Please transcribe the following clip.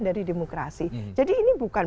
dari demokrasi jadi ini bukan